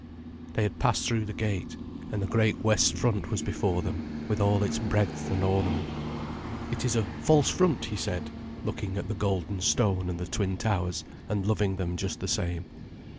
They had passed through the gate, and the great west front was before them, with all its breadth and ornament. "It is a false front," he said, looking at the golden stone and the twin towers, and loving them just the same.